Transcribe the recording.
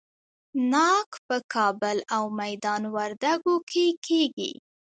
ناک په کابل او میدان وردګو کې کیږي.